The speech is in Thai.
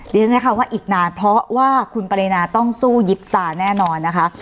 ดิฉันใช้คำว่าอีกนานเพราะว่าคุณปรินาต้องสู้ยิบตาแน่นอนนะคะ